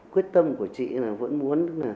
quyết tâm của chị là vẫn muốn